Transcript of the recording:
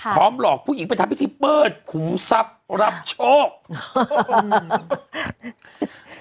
หลอกผู้หญิงไปทำพิธีเปิดขุมทรัพย์รับโชค